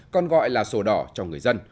con gọi là sổ đỏ cho người dân